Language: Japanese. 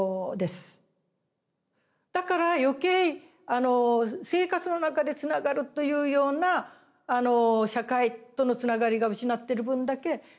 だから余計生活の中でつながるというような社会とのつながりが失ってる分だけ孤立が進んでると思います。